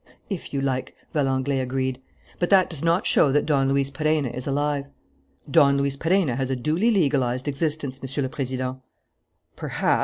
"If you like," Valenglay agreed. "But that does not show that Don Luis Perenna is alive." "Don Luis Perenna has a duly legalized existence, Monsieur le President." "Perhaps.